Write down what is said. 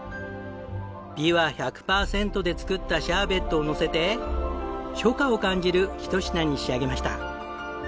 ビワ１００パーセントで作ったシャーベットをのせて初夏を感じるひと品に仕上げました。